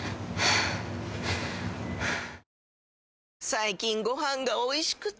最近ご飯がおいしくて！